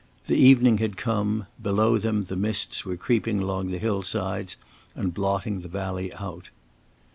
The evening had come, below them the mists were creeping along the hillsides and blotting the valley out.